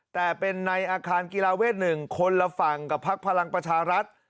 แต่เป็นในอาคารกีฬาเวท๑คนละฝั่งกับพักพลังประชารัฐ